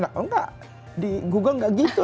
oh enggak di google nggak gitu